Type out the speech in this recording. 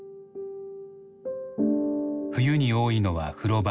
冬に多いのは風呂場。